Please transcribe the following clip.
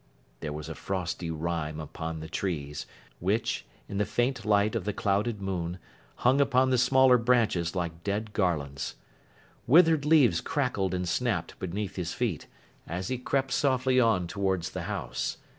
There was a frosty rime upon the trees, which, in the faint light of the clouded moon, hung upon the smaller branches like dead garlands. Withered leaves crackled and snapped beneath his feet, as he crept softly on towards the house.